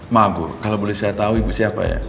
maaf bu kalau boleh saya tahu ibu siapa ya